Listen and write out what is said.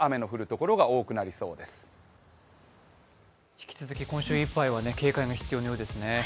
引き続き今週いっぱいは警戒が必要なようですね。